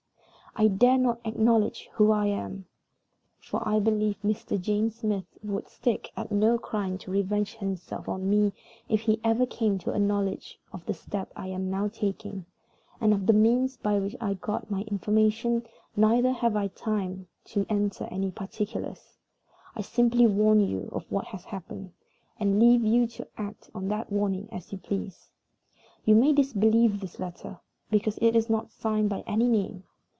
"I dare not acknowledge who I am, for I believe Mr. James Smith would stick at no crime to revenge himself on me if he ever came to a knowledge of the step I am now taking, and of the means by which I got my information; neither have I time to enter into particulars. I simply warn you of what has happened, and leave you to act on that warning as you please. You may disbelieve this letter, because it is not signed by any name.